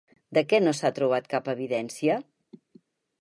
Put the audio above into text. De què no s'ha trobat cap evidència?